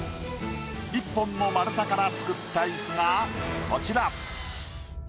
１本の丸太から作ったイスがこちら。